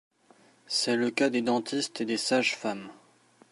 C'est le cas des dentistes et des sages-femmes.